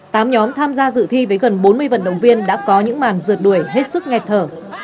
tám nhóm tham gia dự thi với gần bốn mươi vận động viên đã có những màn rượt đuổi hết sức nghẹt thở